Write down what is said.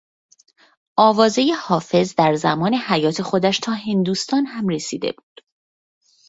آوازهی حافظ در زمان حیات خودش تا هندوستان هم رسیده بود.